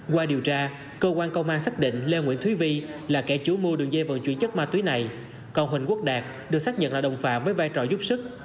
qua điều tra cơ quan công an xác định lê nguyễn thúy vi là kẻ chủ mua đường dây vận chuyển chất ma túy này cầu huỳnh quốc đạt được xác nhận là đồng phạm với vai trò giúp sức